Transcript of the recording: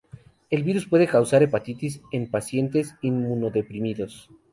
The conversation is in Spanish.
El virus puede causar hepatitis en pacientes inmunodeprimidos.